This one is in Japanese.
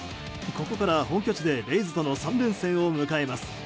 ここから本拠地でレイズとの３連戦を迎えます。